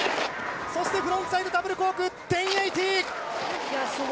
そして、フロントサイドダブルコーク１０８０！